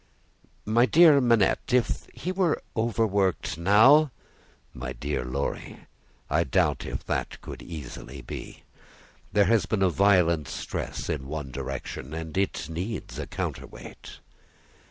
"My dear Manette, if he were overworked now " "My dear Lorry, I doubt if that could easily be. There has been a violent stress in one direction, and it needs a counterweight."